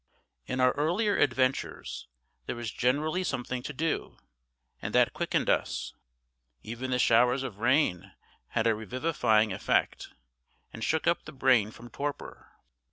In our earlier adventures there was generally something to do, and that quickened us. Even the showers of rain had a revivifying effect, and shook up the brain from torpor.